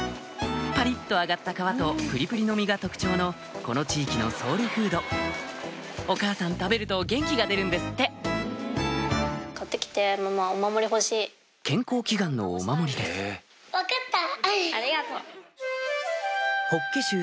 パリっと揚がった皮とプリプリの身が特徴のこの地域のソウルフードお母さん食べると元気が出るんですって健康祈願のお守りですありがとう。